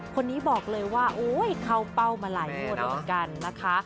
คนนี้บอกเลยว่าเขาเป้ามาหลายหมดแล้วกันนะคะ